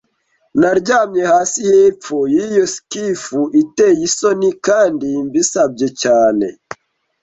Naryamye hasi hepfo yiyo skiff iteye isoni kandi mbisabye cyane